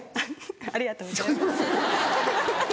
ありがとうございますフフフ。